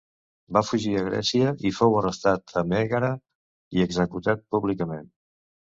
Va fugir a Grècia i fou arrestat a Mègara i executat públicament.